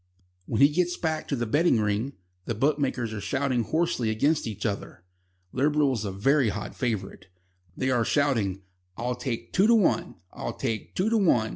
When he gets back to the betting ring, the bookmakers are shouting hoarsely against each other. Liberal is a very hot favourite. They are shouting: "I'll take two to one. I'll take two to one.